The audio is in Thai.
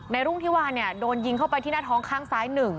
รุ่งที่วาเนี่ยโดนยิงเข้าไปที่หน้าท้องข้างซ้าย๑